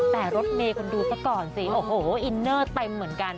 แต่รถเมย์คุณดูซะก่อนสิโอ้โหอินเนอร์เต็มเหมือนกัน